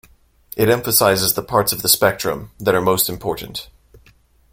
It emphasises the parts of the spectrum that are most important.